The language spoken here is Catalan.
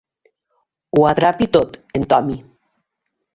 Ho atrapi tot, en Tommy.